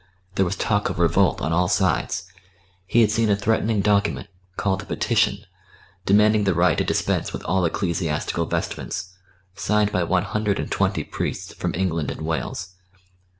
There was talk of revolt on all sides; he had seen a threatening document, called a "petition," demanding the right to dispense with all ecclesiastical vestments, signed by one hundred and twenty priests from England and Wales.